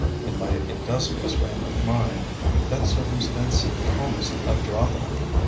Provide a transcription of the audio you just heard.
In my industrious frame of mind that circumstance seemed almost a drawback.